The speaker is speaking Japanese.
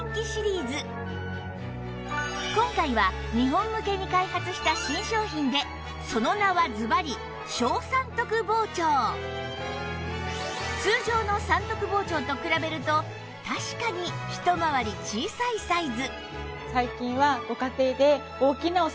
今回は日本向けに開発した新商品でその名はズバリ小三徳包丁通常の三徳包丁と比べると確かにひと回り小さいサイズ